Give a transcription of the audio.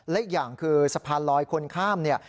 และอีกอย่างคือสะพานลอยคนข้ามเนี่ย